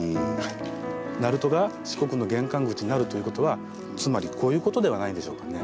鳴門が四国の玄関口になるということはつまりこういうことではないでしょうかね。